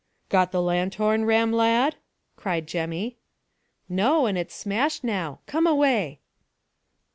"Got the lanthorn, Ram, lad?" cried Jemmy. "No; and it's smashed now. Come away."